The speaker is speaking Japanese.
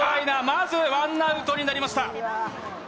まずワンアウトになりました。